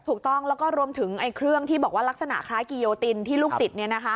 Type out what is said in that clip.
ถูกต้องแล้วก็รวมถึงเครื่องที่บอกว่าลักษณะคล้ายกิโยตินที่ลูกศิษย์